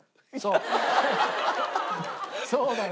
そうだよ！